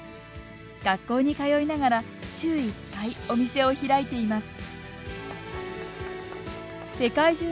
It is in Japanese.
学校に通いながら、週１回、お店を開いています。